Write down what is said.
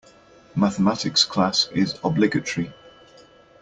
Mathematics class is obligatory.